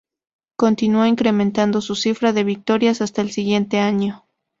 Continuó incrementando su cifra de victorias hasta el siguiente año.